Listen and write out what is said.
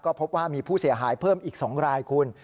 พบว่ามีผู้เสียหายเพิ่มอีก๒รายคุณ